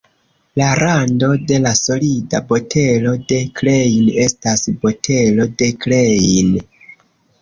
La rando de la solida botelo de Klein estas botelo de Klein.